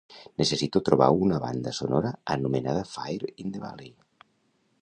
Necessito trobar una banda sonora anomenada Fire in the Valley